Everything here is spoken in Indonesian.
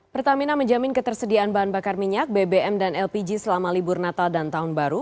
pertamina menjamin ketersediaan bahan bakar minyak bbm dan lpg selama libur natal dan tahun baru